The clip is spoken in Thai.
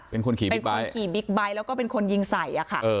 เป็นคนขี่บิ๊กไบท์แล้วก็เป็นคนยิงใส่ค่ะ